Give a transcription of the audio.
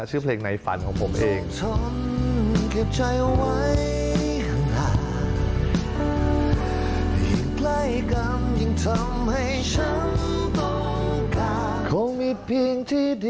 ชื่อเพลงในฝันของผมเอง